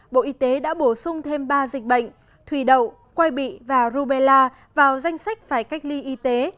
bộ y tế đã bổ sung thêm ba dịch bệnh thủy đậu quay bị và rubella vào danh sách phải cách ly y tế